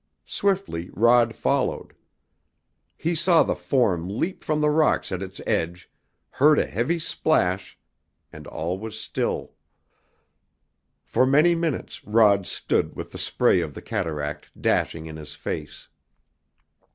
Swiftly Rod followed. He saw the form leap from the rocks at its edge, heard a heavy splash, and all was still! For many minutes Rod stood with the spray of the cataract dashing in his face.